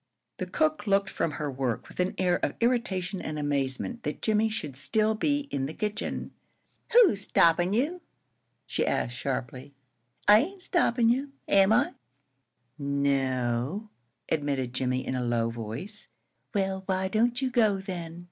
The cook turned from her work with an air of irritation and amazement that Jimmie should still be in the kitchen. "Who's stoppin' you?" she asked, sharply. "I ain't stoppin' you, am I?" "No," admitted Jimmie, in a low voice. "Well, why don't you go, then?